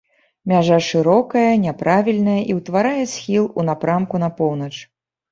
Мяжа шырокая, няправільная і ўтварае схіл у напрамку на поўнач.